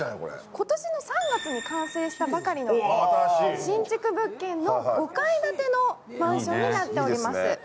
今年の３月に完成したばかりの新築物件の５階建てのマンションになっております。